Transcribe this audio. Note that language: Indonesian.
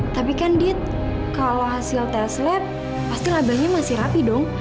tapi kan dit kalau hasil tes lab pasti labelnya masih rapi dong